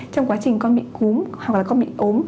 trong quá trình con bị cúm hoặc là con bị ốm